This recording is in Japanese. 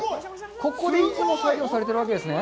ここでいつも作業をされているわけですね。